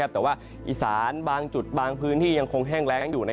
แต่ว่าอีสานบางจุดบางพื้นที่ยังคงแห้งแรงอยู่